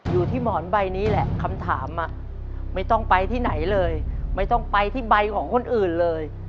อยู่ที่หมอนใบนี้แหละคำถามไม่ต้องไปที่ไหนเลยไม่ต้องไปที่ใบของคนอื่นเลย